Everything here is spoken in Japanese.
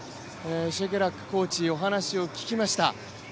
シェケラックコーチ、お話を聞きました。